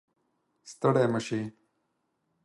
ستړی مشې